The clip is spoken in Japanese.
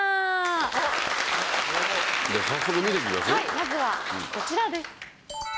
はいまずはこちらです。